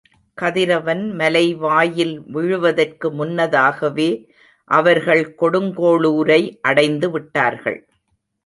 கதிரவன் மலைவாயில் விழுவதற்கு முன்னதாகவே அவர்கள் கொடுங்கோளூரை அடைந்து விட்டார்கள்.